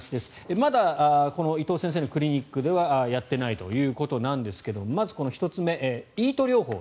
まだこの伊藤先生のクリニックではやっていないということですがまずこの１つ目ＥＡＴ療法。